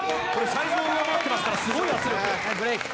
サイズが上回っていますから、すごい圧力。